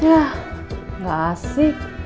yah gak asik